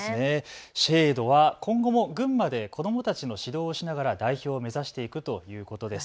ＳＨＡＤＥは今後も群馬で子どもたちの指導をしながら代表を目指していくということです。